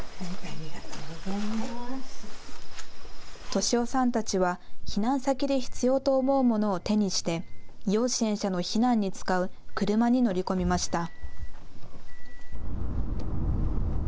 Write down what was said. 敏男さんたちは避難先で必要と思うものを手にして要支援者の避難に使う車に乗り込みました。